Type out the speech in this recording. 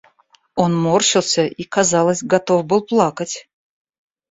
Он морщился и, казалось, готов был плакать.